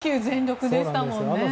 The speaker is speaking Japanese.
１球１球全力でしたもんね。